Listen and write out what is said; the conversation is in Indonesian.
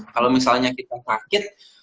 kalau misalnya kita sakit